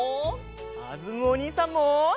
かずむおにいさんも！